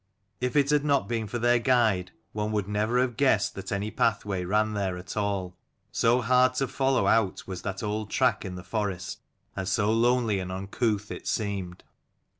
If it had not been for their guide one would never have guessed that any pathway ran there at all, so hard to follow out was that old track in the forest, and so lonely and uncouth it seemed.